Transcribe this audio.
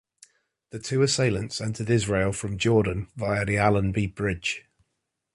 The two assailants entered Israel from Jordan, via the Allenby Bridge.